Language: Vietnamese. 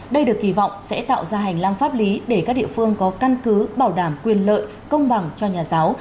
đây được kỳ vọng sẽ tạo ra hành lang pháp lý để các địa phương có căn cứ bảo đảm quyền lợi công bằng cho nhà giáo